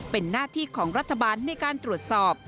เป็นหน้าที่ของรัฐบาลในการตรวจสอบ